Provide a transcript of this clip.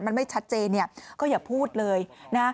มันไม่ชัดเจนเนี่ยก็อย่าพูดเลยนะ